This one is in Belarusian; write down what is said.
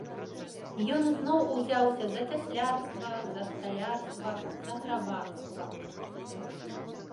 Ён зноў узяўся за цяслярства, за сталярства, за грабарства.